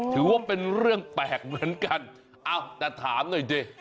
ถือว่าเป็นเรื่องแปลกเหมือนกันเอ้าแต่ถามหน่อยดิ